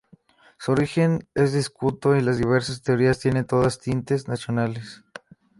Su origen es discutido y las diversas teorías tienen todas tintes nacionalistas.